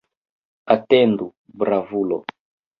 Atendu, bravulo!